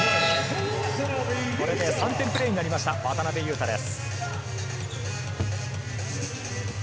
これで３点プレーになりました、渡邊雄太です。